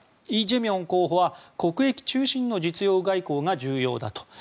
イ・ジェミョン候補は国益中心の実用外交が重要だと。